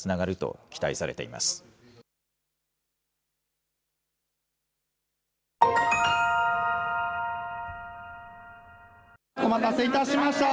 お待たせいたしました。